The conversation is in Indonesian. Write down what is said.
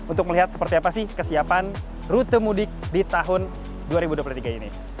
untuk melihat seperti apa sih kesiapan rute mudik di tahun dua ribu dua puluh tiga ini